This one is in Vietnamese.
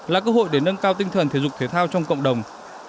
là cơ hội để nâng cao tinh thần thể dục thể thao trong cộng đồng